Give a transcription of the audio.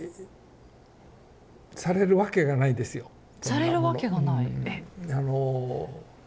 されるわけがない？